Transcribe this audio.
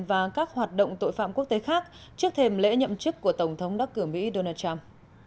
và các hoạt động tội phạm quốc tế khác trước thềm lễ nhậm chức của tổng thống đắc cử mỹ donald trump